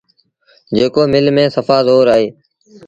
جيڪو مله ميݩ سڦآ زور هُݩدو۔